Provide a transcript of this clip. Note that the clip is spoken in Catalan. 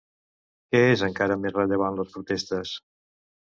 Què és encara més rellevant les protestes?